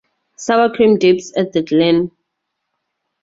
Sour Cream Dips at The Glen.